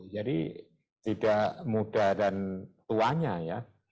jadi tidak muda dan tuanya ya